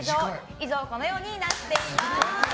以上、このようになっています。